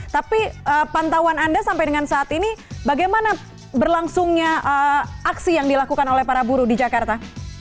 tapi pantauan anda sampai dengan saat ini bagaimana berlangsungnya aksi yang dilakukan oleh para buruh di jakarta